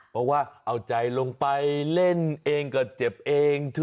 เพราะว่าเอาใจลงไปเล่นเองก็เจ็บเอง